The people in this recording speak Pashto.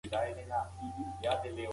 بهرنیان د افغانستان په چارو کي لاسوهنه کوي.